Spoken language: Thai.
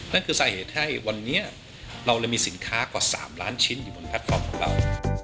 นั่นคือสาเหตุให้วันนี้เราเลยมีสินค้ากว่า๓ล้านชิ้นอยู่บนแพลตฟอร์มของเรา